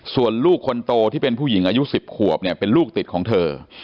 ส่วนลูกคนโตที่เป็นผู้หญิงอายุ๑๐ขวบเนี่ยเป็นลูกติดของเธอ